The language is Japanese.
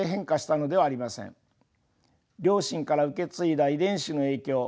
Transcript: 両親から受け継いだ遺伝子の影響